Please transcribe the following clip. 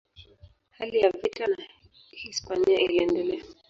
Hali ya vita na Hispania iliendelea.